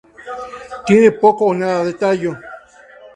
Tiene poco o nada de tallo.